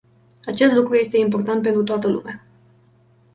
Acest lucru este important pentru toată lumea.